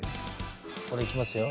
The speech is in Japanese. これいきますよ。